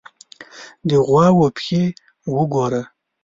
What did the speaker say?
_د غواوو پښې وګوره!